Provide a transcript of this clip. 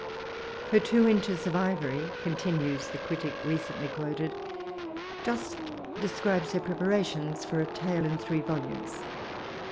'* Her two inches of ivory," continues the critic re* oently quoted, *'ju8t describes her preparations (br a tale in three vol umes.